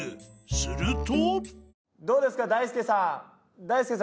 ［すると］